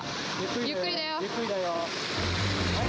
ゆっくりだよ。